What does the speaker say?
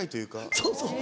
そうそう。